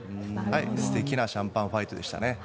素敵なシャンパンファイトでしたね。